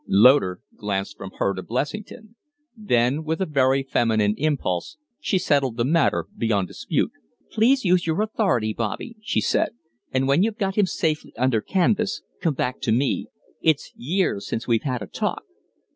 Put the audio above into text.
Loder glanced from her to Blessington. Then, with a very feminine impulse, she settled the matter beyond dispute. "Please use your authority, Bobby," she said. "And when you've got him safely under canvas, come back to me. It's years since we've had a talk."